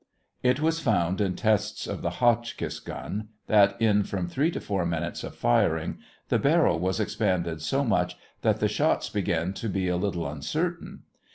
It was found in tests of the Hotchkiss gun that in from three to four minutes of firing the barrel was expanded so much that the shots began to be a little uncertain.